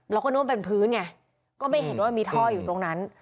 แล้วก็น่วมเป็นพื้นไงก็ไม่เห็นว่ามีท่ออยู่ตรงนั้น